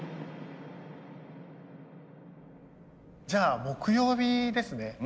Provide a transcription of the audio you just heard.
じゃあ木曜日ですね。